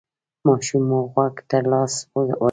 ماشوم مو غوږ ته لاس وړي؟